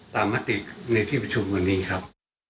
มติในที่ประชุมวันนี้ครับ